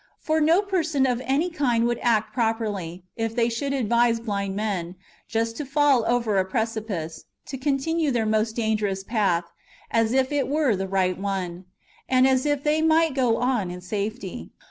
For no persons of any kind would act properly, if they should advise blind men, just about to fall over a precipice, to continue their most dangerous path, as if it were the right one, and as if they might go on in safety.